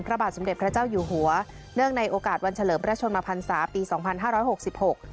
พระบาทสมเด็จพระเจ้าอยู่หัวเนื่องในโอกาสวันเฉลิมพระชนมพันศาปีสองพันห้าร้อยหกสิบหก